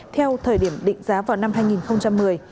theo thời điểm định giá vào năm hai nghìn một mươi